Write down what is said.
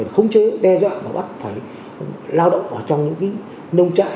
không chế đe dọa và bắt phải lao động ở trong những cái nông trại